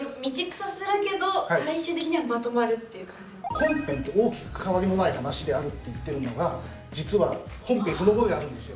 本編と大きく関わりのない話であるって言ってるのが実は本編そのものであるんですよ